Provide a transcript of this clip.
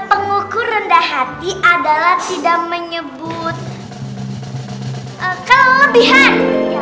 pengukur rendah hati adalah tidak menyebut kelebihan